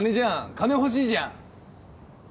金欲しいじゃん！